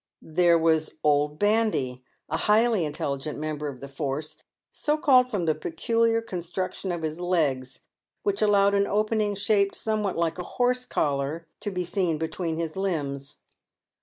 There was " Old Bandy," a highly intelligent member of the force, so called from the peculiar construction of his legs, which allowed an opening shaped somewhat like a. horse collar to be seen between his limbs.